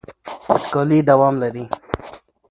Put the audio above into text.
وچکالي دوام لري.